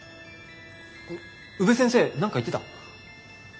宇部先生何か言ってた？